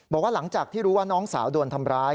บอกว่าหลังจากที่รู้ว่าน้องสาวโดนทำร้าย